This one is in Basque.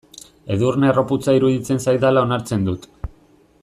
Edurne harroputza iruditzen zaidala onartzen dut.